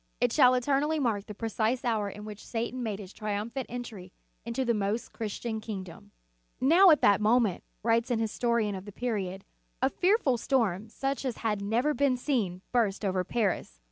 It shall eternally mark the precise hour in which Satan made his triumphant entry into the most Christian kingdom. "Now, at that moment," writes an histo rian of the period, "a fearful storm, such as had never been seen, burst over Paris.